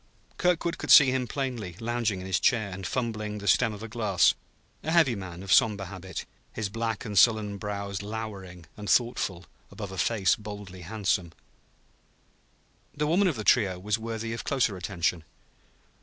Kirkwood could see him plainly, lounging in his chair and fumbling the stem of a glass: a heavy man, of somber habit, his black and sullen brows lowering and thoughtful above a face boldly handsome. The woman of the trio was worthy of closer attention.